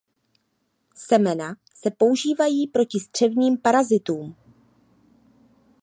Semena se používají proti střevním parazitům.